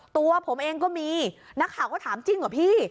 ตัวผมเองก็มีนักข่าวก็ถามจริงเหรอพี่